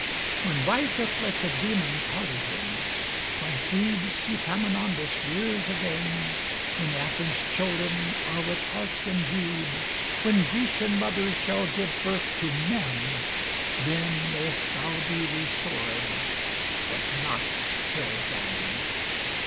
When riseth Lacedæmon's hardihood, When Thebes Epaminondas rears again, When Athens' children are with hearts endued, When Grecian mothers shall give birth to men, Then may'st thou be restored; but not till then.